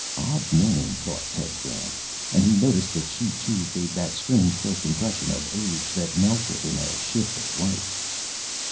Odd name, thought Ted Graham. And he noticed that she, too, gave that strange first impression of age that melted in a shift of light.